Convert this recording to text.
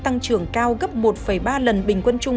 tăng trưởng cao gấp một ba lần bình quân chung